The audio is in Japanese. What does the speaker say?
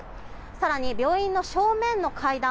更に病院の正面の階段